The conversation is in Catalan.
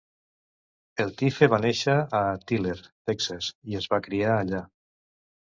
Eltife va néixer a Tyler (Texas) i es va criar allà.